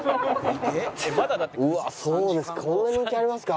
うわっそうですかこんな人気ありますか。